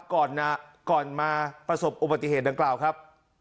ก่อนมาประสบอุบัติเหตุดังกล่าวครับ